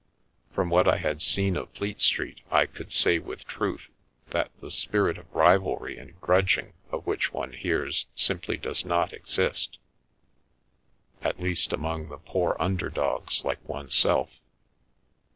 From what I had seen of Fleet Street I could say with truth that the spirit of rivalry and grudging of which one hears simply does not exist, at least among the poor under dogs like one self.